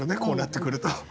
こうなってくると。